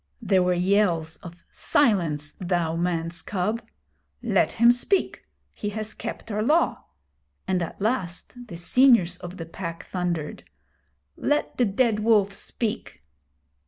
There were yells of 'Silence, thou man's cub!' 'Let him speak. He has kept our Law'; and at last the seniors of the Pack thundered: 'Let the Dead Wolf speak.'